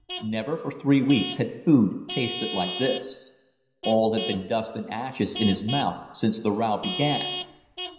Never for three weeks had food tasted like this. All had been dust and ashes in his mouth since the row began.